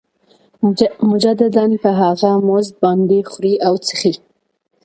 مجدداً په هغه مزد باندې خوري او څښي